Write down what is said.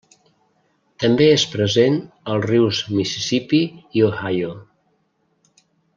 També és present als rius Mississipí i Ohio.